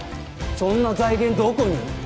そんな財源どこに？